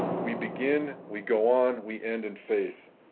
We begin, we go on, we end in faith.